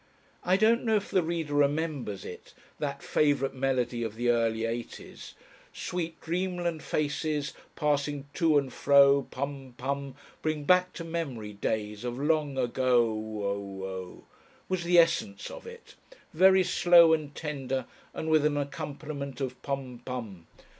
I don't know if the reader remembers it that, favourite melody of the early eighties: "Sweet dreamland faces, passing to and fro, (pum, pum) Bring back to Mem'ry days of long ago o o oh," was the essence of it, very slow and tender and with an accompaniment of pum, pum.